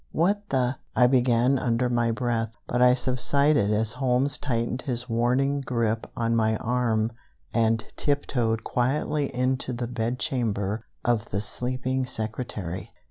What the " I began under my breath; but I subsided as Holmes tightened his warning grip on my arm and tiptoed quietly into the bedchamber of the sleeping secretary.